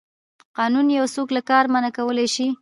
قانون یو څوک له کار منع کولی شي.